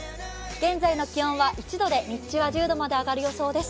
現在の気温は１度で日中は１０度まで上がる予想です。